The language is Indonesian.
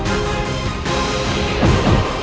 saya akan menjaga kebenaran raden